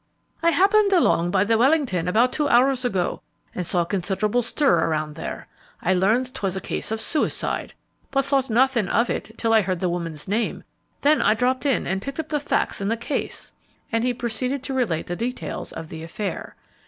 "I happened along by the Wellington about two hours ago, and saw considerable stir around there. I learned 'twas a case of suicide, but thought nothing of it till I heard the woman's name, then I dropped in and picked up the facts in the case," and he proceeded to relate the details of the affair.